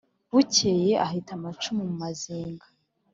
bukeye aheta amacumu mu mazinga